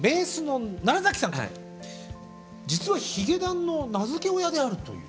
実はヒゲダンの名付け親であるという。